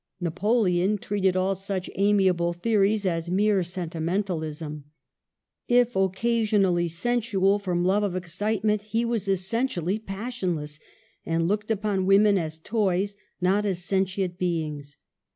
Napoleon treated all such amiable theories as mere sentimentalism. If occasionally sensual from love of excitement, he was essentially passionless, and looked upon women as toys, not as sentient beings.